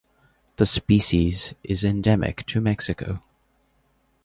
The species is endemic to Mexico.